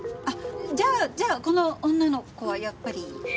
あっじゃあじゃあこの女の子はやっぱり。